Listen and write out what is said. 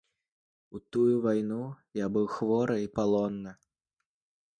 У тую вайну я быў хворы і палонны.